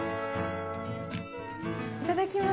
いただきます。